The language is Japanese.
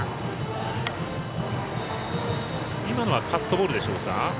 カットボールでしょうか。